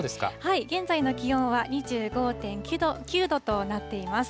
現在の気温は２５．９度となっています。